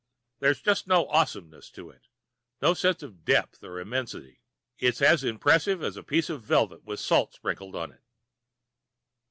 There's just no awesomeness to it, no sense of depth or immensity. It's as impressive as a piece of velvet with salt sprinkled on it.